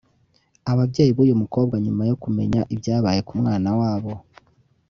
Ababyeyi b’uyu mukobwa nyuma yo kumenya ibyabaye ku mwana wabo